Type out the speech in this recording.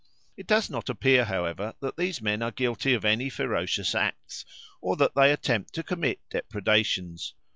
It does not appear, however, that these men are guilty of any ferocious acts, or that they attempt to commit depredations.